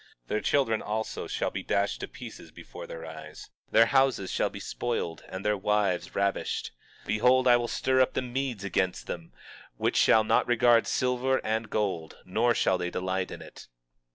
23:16 Their children, also shall be dashed to pieces before their eyes; their houses shall be spoiled and their wives ravished. 23:17 Behold, I will stir up the Medes against them, which shall not regard silver and gold, nor shall they delight in it.